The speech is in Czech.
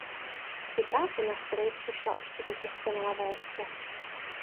Při práci na stroji přišla o čtyři prsty na levé ruce.